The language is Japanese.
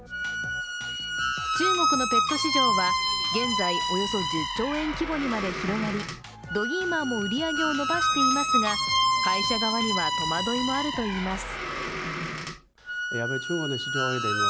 中国のペット市場は現在、およそ１０兆円規模にまで広がり、ドギーマンも売り上げを伸ばしていますが会社側には、戸惑いもあるといいます。